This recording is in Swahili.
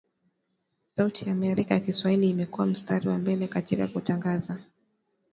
Sauti ya Amerika Kiswahili imekua mstari wa mbele katika kutangaza